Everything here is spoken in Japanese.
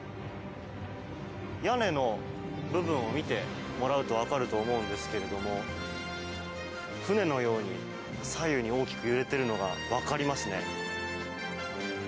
屋根の部分を見てもらうと分かると思うんですが船のように左右に大きく揺れているのが分かりますね。